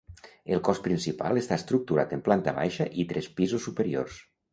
El cos principal està estructurat en planta baixa i tres pisos superiors.